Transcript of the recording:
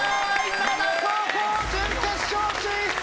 灘高校準決勝進出！